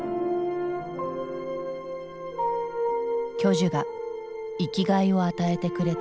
巨樹が生きがいを与えてくれた。